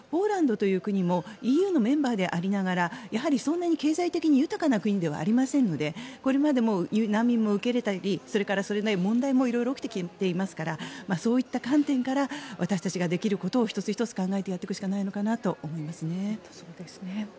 ポーランドという国もＥＵのメンバーでありながらそんなに経済的に豊かではありませんのでこれまでも難民を受け入れたり問題も起きていますからそういう観点から私たちができることを１つ１つ考えてやっていくしかないのかなと思いますね。